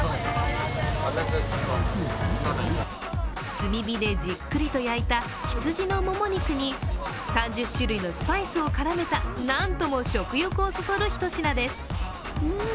炭火でじっくりと焼いた羊のもも肉に３０種類のスパイスを絡めたなんとも食欲をそそるひと品です。